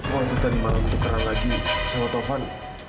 waktu tadi malam tukeran lagi sama taufan